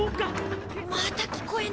また聞こえない。